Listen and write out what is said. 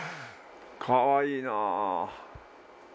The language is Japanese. かわいいなぁ。